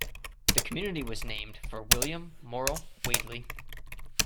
The community was named for William Morill Wadley.